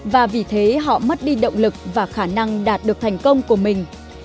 và vì thế họ mất đi động lực và khả năng đạt được thành công của mình